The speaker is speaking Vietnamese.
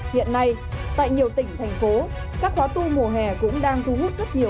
hiện nay tại nhiều tỉnh thành phố các khóa tu mùa hè cũng đang thu hút rất nhiều